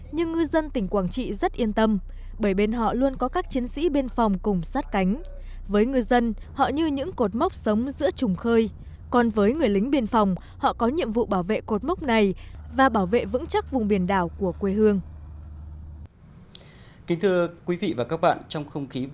nhưng gia đình anh luôn cảm thấy ấm cúng